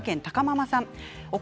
福岡県の方です。